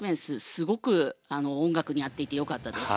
すごく音楽に合っていて良かったです。